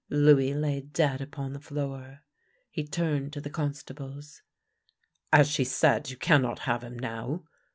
Louis lay dead upon the floor. He turned to the constables. " As she said, you cannot have him now.